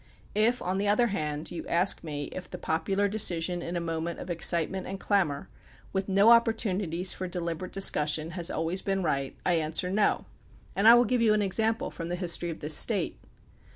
If, on the other hand, you ask me if the popular decision in a moment of excitement and clamor, with no opportunities for deliberate discussion, has always been right, I answer "no," and I will give you an example from the history of this State.